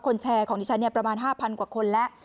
แชร์ของดิฉันประมาณ๕๐๐กว่าคนแล้ว